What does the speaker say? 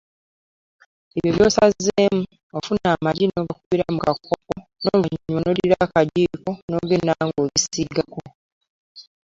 Ebyo by’osazeemu, ofuna amagi n’ogakubira mu kakopo n’oluvannyuma n’oddira akajiiko n’ogenda ng’obisiigako.